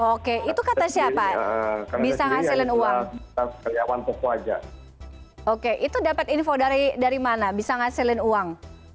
oke itu kata siapa bisa menghasilkan uang oke itu dapat info dari dari mana bisa menghasilkan uang